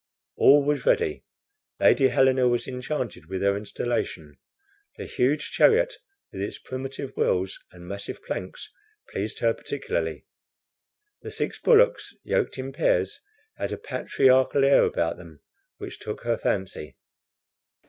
All was ready. Lady Helena was enchanted with her installation. The huge chariot, with its primitive wheels and massive planks, pleased her particularly. The six bullocks, yoked in pairs, had a patriarchal air about them which took her fancy.